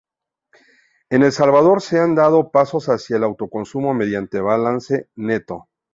En El Salvador se han dado pasos hacia el autoconsumo mediante balance neto.